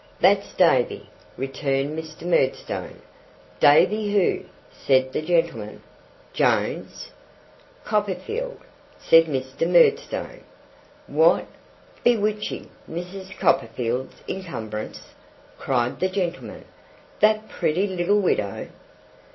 'That's Davy,' returned Mr. Murdstone. 'Davy who?' said the gentleman. 'Jones?' 'Copperfield,' said Mr. Murdstone. 'What! Bewitching Mrs. Copperfield's encumbrance?' cried the gentleman. 'The pretty little widow?